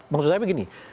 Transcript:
maksud saya begini